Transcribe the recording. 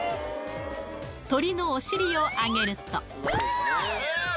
鳥のお尻を上げると。